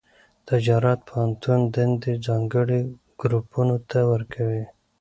تجارت پوهنتون دندې ځانګړي ګروپونو ته ورکړي.